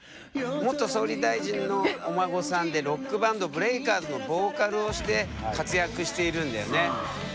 元総理大臣のお孫さんでロックバンドＢＲＥＡＫＥＲＺのボーカルをして活躍しているんだよね。